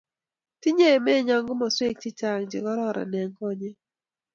tinye emenyo komoswek che chang' che kororn eng' konyek